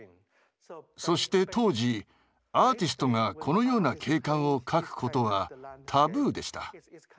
そして当時アーティストがこのような景観を描くことはタブーでした。